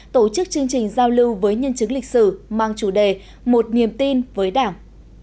tổ chức chương trình giao lưu với nhân chứng lịch sử mang chủ đề một niềm tin với đảng